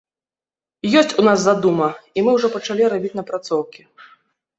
Ёсць у нас задума, і мы ўжо пачалі рабіць напрацоўкі.